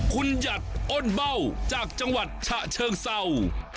คุณหยัดอ้นเบ้าจากจังหวัดฉะเชิงเศร้า